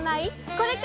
これか？